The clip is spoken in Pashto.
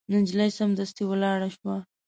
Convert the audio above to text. نجلۍ سمدستي ولاړه شوه.